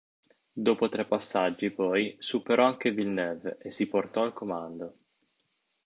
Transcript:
Dopo tre passaggi, poi, superò anche Villeneuve e si portò al comando.